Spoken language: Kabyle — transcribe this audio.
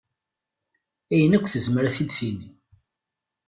Ayen akk tezmer ad t-id-tini.